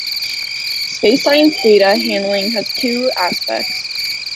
Space science data handling has two aspects.